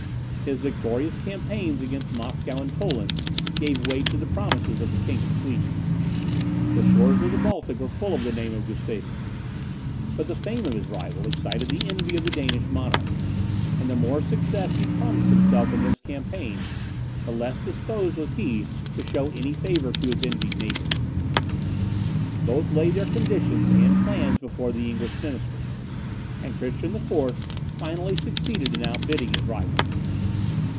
His victorious campaigns against Moscow and Poland gave weight to the promises of the King of Sweden. The shores of the Baltic were full of the name of Gustavus. But the fame of his rival excited the envy of the Danish monarch; and the more success he promised himself in this campaign, the less disposed was he to show any favour to his envied neighbour. Both laid their conditions and plans before the English ministry, and Christian IV. finally succeeded in outbidding his rival.